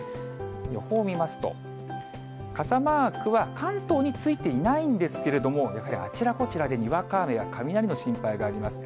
予報を見ますと、傘マークは関東についていないんですけれども、やはりあちらこちらでにわか雨や雷の心配があります。